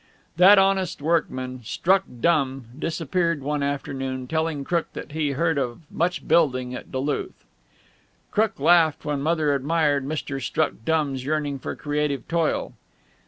That honest workman, "Struck Dumb," disappeared one afternoon, telling Crook that he heard of much building at Duluth. Crook laughed when Mother admired Mr. Struck Dumb's yearning for creative toil.